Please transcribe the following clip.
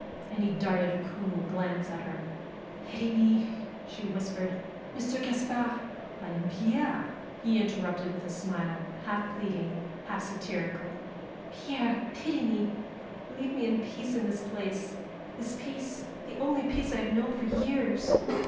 And he darted a cruel glance at her. "Pity me!" she whispered. "Mr. Gaspard " "I am Pierre!" he interrupted, with a smile half pleading, half satirical. "Pierre, pity me! Leave me in peace in this place. This peace, the only peace I have known for years!